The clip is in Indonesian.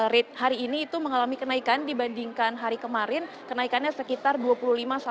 rate hari ini itu mengalami kenaikan dibandingkan hari kemarin kenaikannya sekitar dua puluh lima tiga puluh rupiah besarannya